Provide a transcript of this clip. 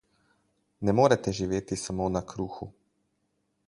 Ne morete živeti samo na kruhu.